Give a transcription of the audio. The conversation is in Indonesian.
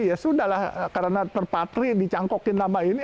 ya sudah lah karena terpatri dicangkokin nama ini